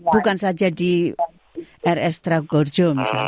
bukan saja di rs tragorjo misalnya